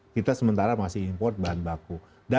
kita sementara masih import bahan baku